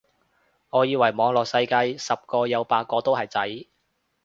我以為網絡世界十個有八個都係仔